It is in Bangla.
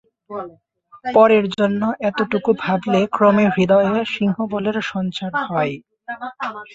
পরের জন্য এতটুকু ভাবলে ক্রমে হৃদয়ে সিংহবলের সঞ্চার হয়।